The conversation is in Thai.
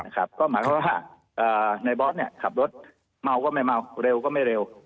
ก็หมายความว่าในบอสขับรถเมาก็ไม่เมาเร็วก็ไม่เร็ว